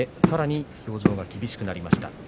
さらに表情が厳しくなりました。